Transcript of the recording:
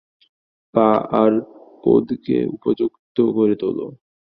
পা আর পোদকে উপযুক্ত করে তোলো।